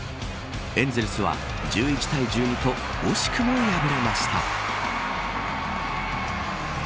エンゼルスは１１対１２と惜しくも敗れました。